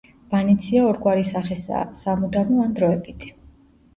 ბანიცია ორგვარი სახისაა: სამუდამო ან დროებითი.